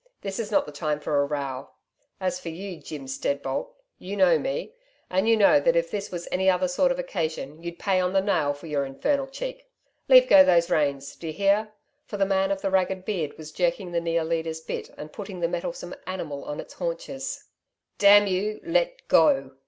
This is not the time for a row. As for you, Jim Steadbolt you know me, and you know that if this was any other sort of occasion, you'd pay on the nail for your infernal cheek.... Leave go of those reins. D'ye hear'; for the man of the ragged beard was jerking the near leader's bit and putting the mettlesome animal on its haunches. 'Damn you! Let go.'